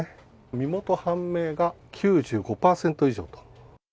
身元判明が９５％以上と。